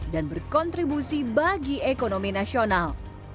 berkontribusi bagi ekonomi nasional